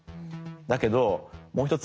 だけどもう一つ